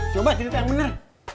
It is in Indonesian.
coba dilihat yang bener